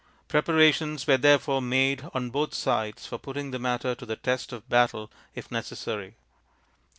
Pre parations were therefore made on both sides for putting the matter to the test of battle if necessary.